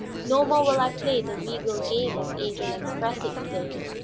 No more will I play 'the regal game,' as Adrian expressed it to day.